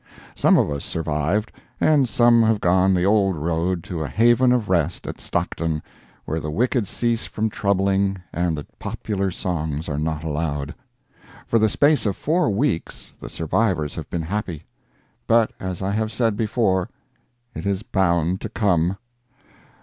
Some of us survived, and some have gone the old road to a haven of rest at Stockton, where the wicked cease from troubling and the popular songs are not allowed. For the space of four weeks the survivors have been happy. But as I have said before, it is bound to come!